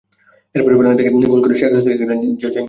এরপরই পেনাল্টি থেকে গোল করে শেখ রাসেলকে এগিয়ে নেন জাঁ ইকাঙ্গা।